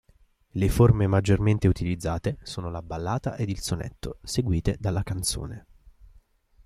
Le forme maggiormente utilizzate sono la ballata ed il sonetto, seguite dalla canzone.